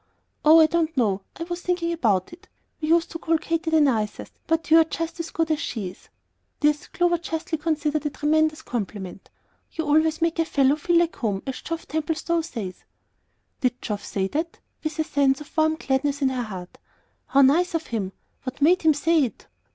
"Oh, I don't know. I was thinking about it. We used to call Katy the nicest, but you're just as good as she is. [This Clover justly considered a tremendous compliment.] You always make a fellow feel like home, as Geoff Templestowe says." "Did Geoff say that?" with a warm sense of gladness at her heart. "How nice of him! What made him say it?"